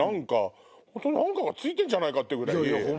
本当に何かがついてんじゃないかってぐらい。